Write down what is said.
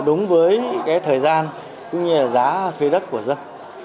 đúng với thời gian cũng như giá thuê đất của dân